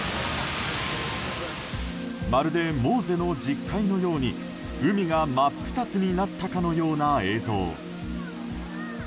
まるで、モーゼの十戒のように海が真っ二つになったかのような映像。